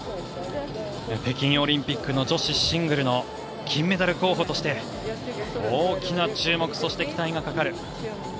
北京オリンピックの女子シングルの金メダル候補として大きな注目、そして期待がかかる。